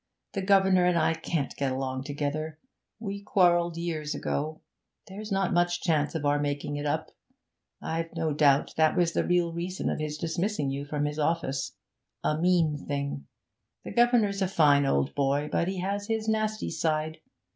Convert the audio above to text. The governor and I can't get along together; we quarrelled years ago, there's not much chance of our making it up. I've no doubt that was the real reason of his dismissing you from his office a mean thing! The governor's a fine old boy, but he has his nasty side.